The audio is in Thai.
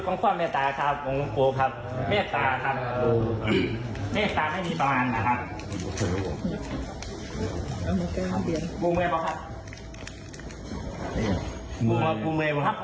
ผมมาหาหลวงแสงให้ฟัง